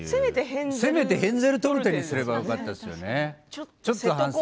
せめてヘンデルトルテにすればよかったですね、ちょっと反省。